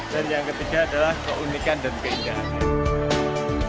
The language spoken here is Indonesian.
dan yang ketiga adalah keunikan dan keindahannya